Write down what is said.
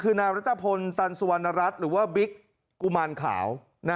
คือนายรัฐพลตันสุวรรณรัฐหรือว่าบิ๊กกุมารขาว